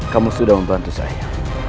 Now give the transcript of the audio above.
kamu sudah membantu saya